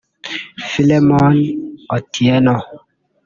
Philemon Otieno